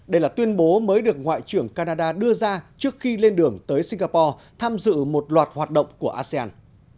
đây là tuyên bố mới được ngoại trưởng canada đưa ra trước khi lên đường tới singapore tham dự một loạt hoạt động của asean